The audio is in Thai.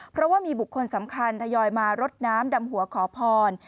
เพราะว่ามีบุคคลสำคัญทยอยมารดน้ำดำหัวขอพร